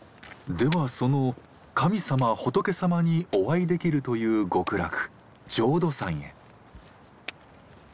ではその神様仏様にお会いできるという極楽浄土山へ。